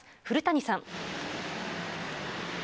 古谷さん。